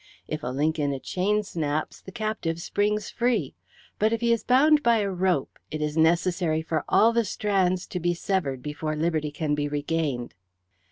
If a link in a chain snaps, the captive springs free, but if he is bound by a rope it is necessary for all the strands to be severed before liberty can be regained.